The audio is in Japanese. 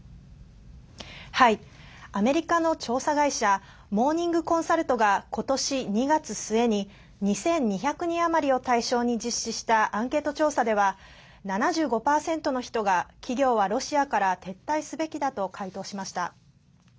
アメリカの調査会社モーニング・コンサルトがことし２月末に２２００人余りを対象に実施したアンケート調査では７５％の人が企業はロシアから撤退すべきだと回答しました。